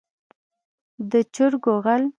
د چرګو غل.